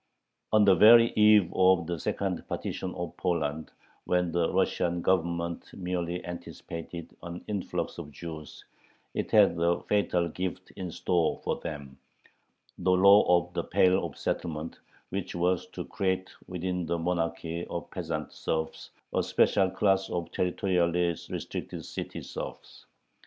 On the very eve of the second partition of Poland, when the Russian Government merely anticipated an influx of Jews, it had a fatal gift in store for them: the law of the Pale of Settlement, which was to create within the monarchy of peasant serfs a special class of territorially restricted city serfs.